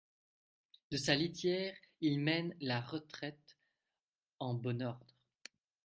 De sa litière, il mène la retraite en bon ordre.